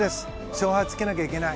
勝敗をつけなきゃいけない。